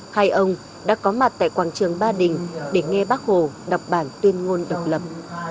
hai ông đã có mặt tại quảng trường ba đình để nghe bác hồ đọc bản tuyên ngôn độc lập